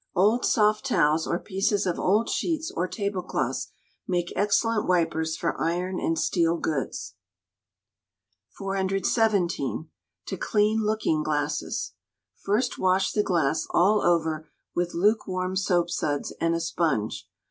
Old soft towels, or pieces of old sheets or tablecloths, make excellent wipers for iron and steel goods. 417. To Clean Looking Glasses. First wash the glass all over with lukewarm soapsuds and a sponge.